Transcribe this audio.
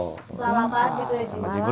lama lamaan gitu ya sih